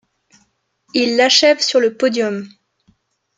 Il l'achève sur le podium.